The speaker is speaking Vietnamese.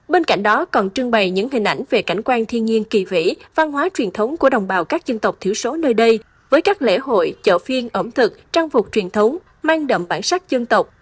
bên cạnh đó còn trưng bày những hình ảnh về cảnh quan thiên nhiên kỳ vĩ văn hóa truyền thống của đồng bào các dân tộc thiểu số nơi đây với các lễ hội chợ phiên ẩm thực trang phục truyền thống mang đậm bản sắc dân tộc